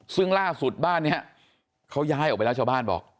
ซึ่งล่าสุดบ้านนี้เขาย้ายออกไปแล้วชาวบ้านบอก